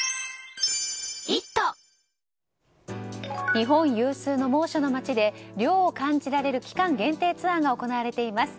日本有数の猛暑の街で涼を感じられる期間限定ツアーが行われています。